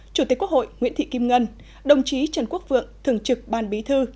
chủ tịch quốc hội nguyễn thị kim ngân đồng chí trần quốc vượng thường trực ban bí thư